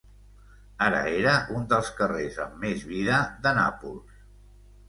Ara era un dels carrers amb més vida de Nàpols.